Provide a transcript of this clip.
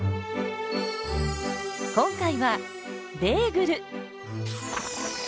今回はベーグル！